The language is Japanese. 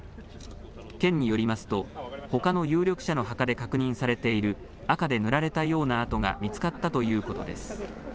県によりますと、ほかの有力者の墓で確認されている赤で塗られたような跡が見つかったということです。